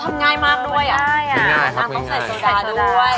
แล้วทำง่ายมากทำง่ายมาก